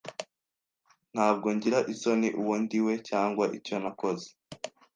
Ntabwo ngira isoni uwo ndiwe cyangwa icyo nakoze.